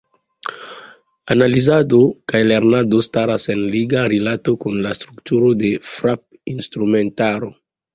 Analizado kaj lernado staras en liga rilato kun la strukturo de frapinstrumentaro.